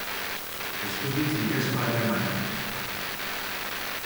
Eskutitz bidezko harremanak.